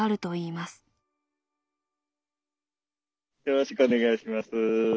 よろしくお願いします。